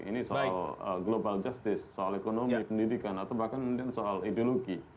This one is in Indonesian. ini soal global justice soal ekonomi pendidikan atau bahkan soal ideologi